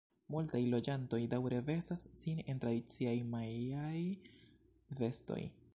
Multaj loĝantoj daŭre vestas sin en tradiciaj majaaj vestoj.